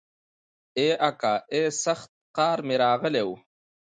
ای اکا ای سخت قار مې راغلی و.